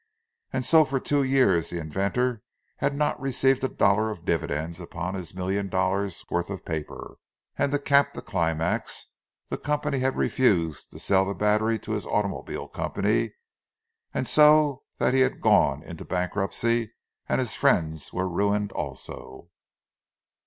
And so for two years the inventor had not received a dollar of dividends upon his million dollars' worth of paper; and to cap the climax, the company had refused to sell the battery to his automobile company, and so that had gone into bankruptcy, and his friend was ruined also!